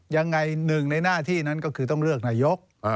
ยังไงหนึ่งในหน้าที่นั้นก็คือต้องเลือกนายก